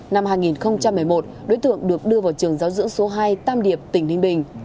năm hai nghìn một mươi một đối tượng được đưa vào trường giáo dưỡng số hai tam điệp tỉnh ninh bình